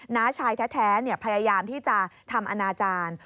น้าชายแท้พยายามที่จะทำอนาจารย์